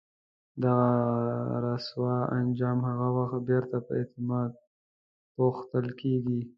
دغه رسوا انجام هغه وخت بیرته په اعتماد پوښل کېږي.